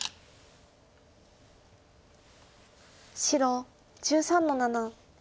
白１３の七。